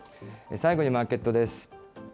最後にマーケットです。